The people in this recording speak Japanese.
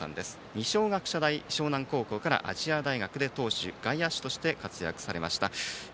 二松学舎大沼南高校から亜細亜大学で投手、外野手として活躍されました。